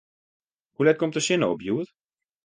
Hoe let komt de sinne op hjoed?